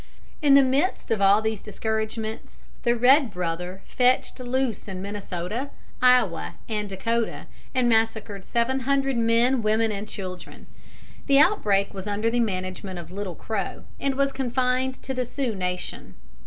In the midst of all these discouragements, the red brother fetched loose in Minnesota, Iowa, and Dakota, and massacred seven hundred men, women, and children. The outbreak was under the management of Little Crow, and was confined to the Sioux Nation.